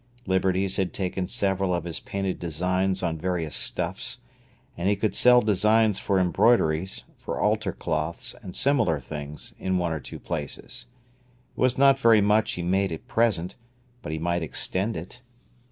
Liberty's had taken several of his painted designs on various stuffs, and he could sell designs for embroideries, for altar cloths, and similar things, in one or two places. It was not very much he made at present, but he might extend it.